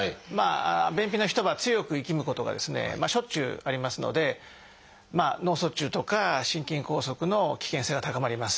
便秘の人は強くいきむことがですねしょっちゅうありますので脳卒中とか心筋梗塞の危険性が高まります。